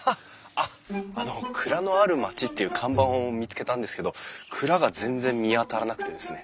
あっあの「蔵のある町」っていう看板を見つけたんですけど蔵が全然見当たらなくてですね。